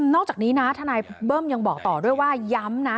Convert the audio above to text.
จากนี้นะทนายเบิ้มยังบอกต่อด้วยว่าย้ำนะ